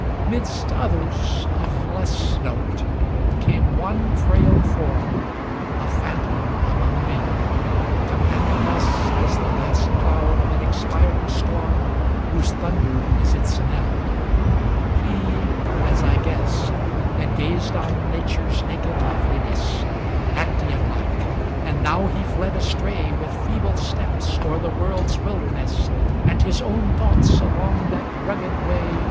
XXXI 'Midst others of less note, came one frail Form, A phantom among men; companionless As the last cloud of an expiring storm Whose thunder is its knell; he, as I guess, Had gazed on Nature's naked loveliness, Actseon like, and now he fled astray With feeble steps o'er the world's wil derness. And his own thoughts, along that rugged way.